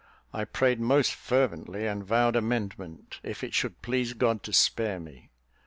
I prayed most fervently, and vowed amendment, if it should please God to spare me.